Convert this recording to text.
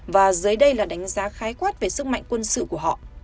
và dưới đây là đánh giá khái quát về sức mạnh quân sự